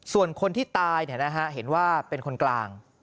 ส่วนคนที่ตายเห็นว่าเป็นคนกลาง